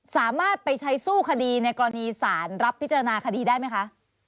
สามารถไปใช้สู้คดีในกรณีสารรับพิจารณาคดีได้ไหมคะ